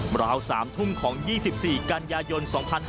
ราว๓ทุ่มของ๒๔กันยายน๒๕๕๙